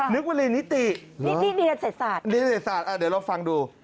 นึกวินีตินิตินิดนักเศรษฐศาสตร์นิดนักเศรษฐศาสตร์เดี๋ยวเราฟังดู